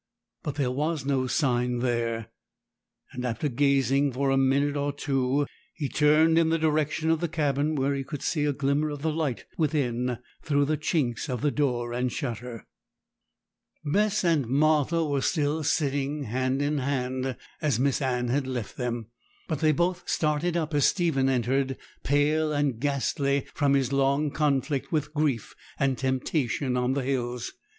But there was no sign there; and, after gazing for a minute or two, he turned in the direction of the cabin, where he could see a glimmer of the light within through the chinks of the door and shutter. Bess and Martha were still sitting hand in hand as Miss Anne had left them; but they both started up as Stephen entered, pale and ghastly from his long conflict with grief and temptation on the hills.